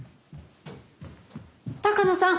鷹野さん！